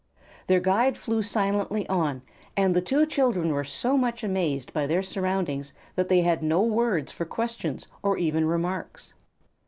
Their guide flew silently on, and the two children were so much amazed by their surroundings that they had no words for questions or even remarks.